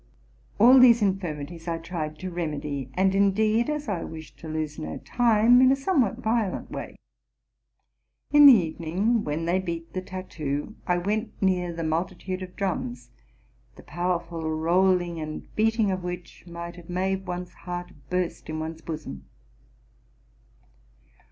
. All these infirmities I tried to remedy, and, indeed, as I wished to lose no time, in a somewhat violent way. In the evening, when they beat the tattoo, I went near the multitude of drums, the powerful rolling and beating of which might have made one's heart burst in one's bosom.